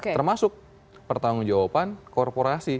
termasuk pertanggung jawaban korporasi